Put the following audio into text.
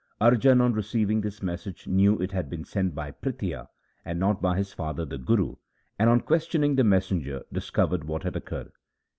Arjan on receiving this message knew it had been sent by Prithia and not by his father the Guru, and on questioning the messenger, dis covered what had occurred.